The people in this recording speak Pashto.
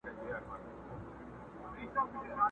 چي استاد یې وو منتر ورته ښودلی،